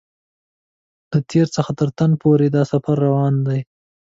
له تېر څخه تر نن پورې دا سفر روان دی.